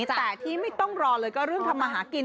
แต่ที่ไม่ต้องรอเลยก็เรื่องทำมาหากิน